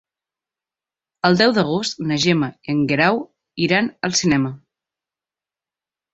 El deu d'agost na Gemma i en Guerau iran al cinema.